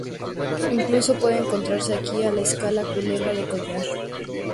Incluso puede encontrase aquí a la escasa culebra de collar.